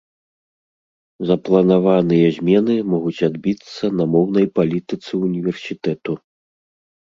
Запланаваныя змены могуць адбіцца на моўнай палітыцы ўніверсітэту.